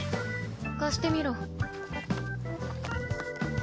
貸してみろ。